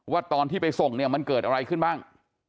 ว่าตอนที่ไปส่งมันเกิดอะไรขึ้นบ้าง